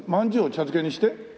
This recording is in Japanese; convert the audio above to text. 饅頭を茶漬けにして？